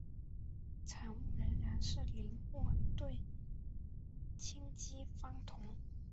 产物仍然是邻或对羟基芳酮。